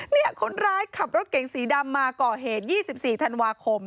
นี่คนร้ายขับรถเก๋งสีดำมาก่อเหตุ๒๔ธันวาคม